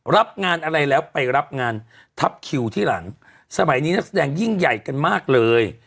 รับงานอะไรแล้วไปรับงานทับคิวที่หลังสมัยนี้นักแสดงยิ่งใหญ่กันมากเลย